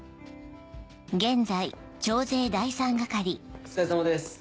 お疲れさまです。